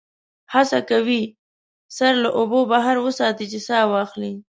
هڅه کوي سر له اوبو بهر وساتي چې سا واخلي.